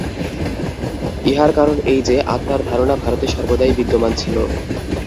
ইহার কারণ এই যে, আত্মার ধারণা ভারতে সর্বদাই বিদ্যমান ছিল।